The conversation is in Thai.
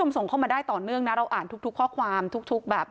ส่งเข้ามาได้ต่อเนื่องทุกข้อความทุกอย่าง